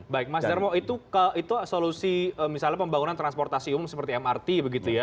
baik mas darmo itu solusi misalnya pembangunan transportasi umum seperti mrt begitu ya